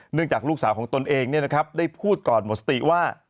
จากลูกสาวของตนเองได้พูดก่อนหมดสติว่า